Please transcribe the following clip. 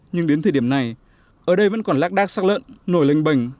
nhưng đến thời điểm này ở đây vẫn còn lác đác sát lợn nổi lênh bình